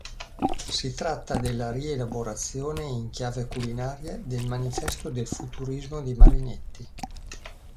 Si tratta della rielaborazione, in chiave culinaria, del Manifesto del futurismo di Marinetti.